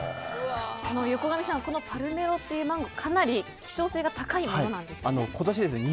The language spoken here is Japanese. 横上さんこのパルメロっていうマンゴーかなり希少性が高いものなんですね。